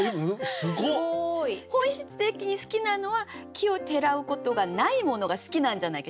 すごい！本質的に好きなのは奇を衒うことがないものが好きなんじゃないか。